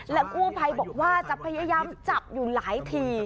กู้ภัยบอกว่าจะพยายามจับอยู่หลายที